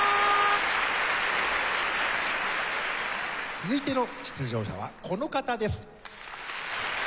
続いての出場者はこの方です。